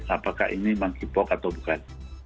apakah ini monkeypox atau bukan